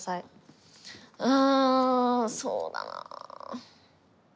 うんそうだな。